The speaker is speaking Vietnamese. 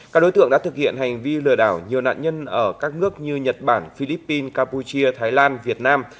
các đối tượng đã thực hiện hành vi lừa đảo nhiều nạn nhân ở các nước như nhật bản philippines campuchia thái lan việt nam